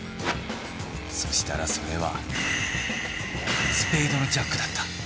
そしたらそれはスペードのジャックだった。